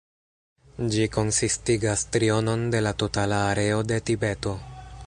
Ĝi konsistigas trionon de la totala areo de Tibeto.